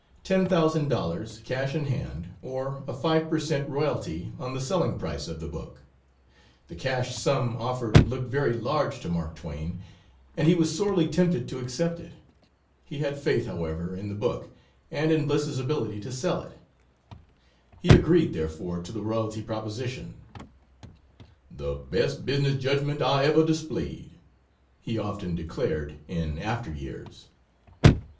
ten thousand dollars, cash in hand, or a 5 per cent. royalty on the selling price of the book. The cash sum offered looked very large to Mark Twain, and he was sorely tempted to accept it. He had faith, however, in the book, and in Bliss's ability to sell it. He agreed, therefore, to the royalty proposition; "The best business judgment I ever displayed" he often declared in after years.